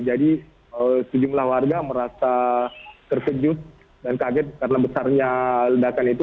jadi sejumlah warga merasa terkejut dan kaget karena besarnya ledakan itu